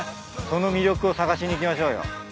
その魅力を探しに行きましょうよ。